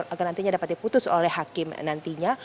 agar nantinya dapat diputus oleh hakim nantinya